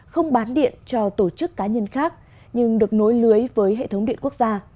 không bán điện cho tổ chức cá nhân khác nhưng được nối lưới với hệ thống điện quốc gia